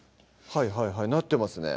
はいはいなってますね